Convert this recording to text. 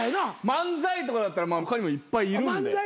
漫才とかだったら他にもいっぱいいるんで。